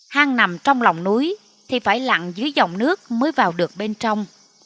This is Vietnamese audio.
hang nằm trong lòng núi thì phải lặn dưới dòng nước mới vào được bên trong